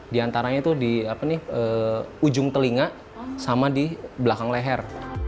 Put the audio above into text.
di antaranya itu di ujung telinga sama di belakang leher